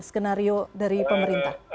skenario dari pemerintah